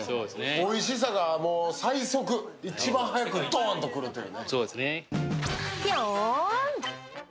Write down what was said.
おいしさが最速、一番速くドンと来るという。